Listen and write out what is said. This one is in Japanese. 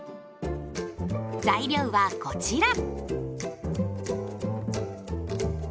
材料はこちら。